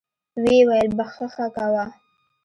ويې ويل بخښه کوه.